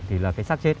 thì là cái sát chết